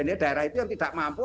ini daerah itu yang tidak mampu